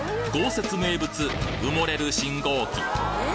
豪雪名物埋もれる信号機